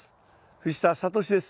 藤田智です。